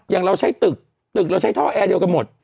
อย่างเราใช้ตึกตึกเราใช้ท่อแอร์เดียวกันหมด